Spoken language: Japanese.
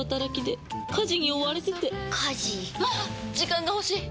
時間が欲しい！